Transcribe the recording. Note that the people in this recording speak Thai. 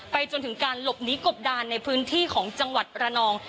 จนถึงการหลบหนีกบดานในพื้นที่ของจังหวัดระนอง